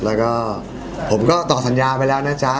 แล้วก็ผมก็ต่อสัญญาไปแล้วนะจ๊ะ